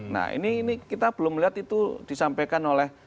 nah ini kita belum melihat itu disampaikan oleh